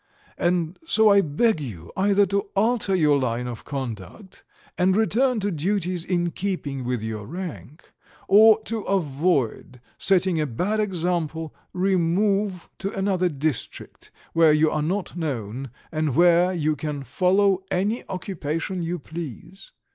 And so I beg you either to alter your line of conduct and return to duties in keeping with your rank, or to avoid setting a bad example, remove to another district where you are not known, and where you can follow any occupation you please.